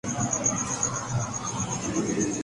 سو پیکاں تھے پیوست گلو جب چھیڑی شوق کی لے ہم نے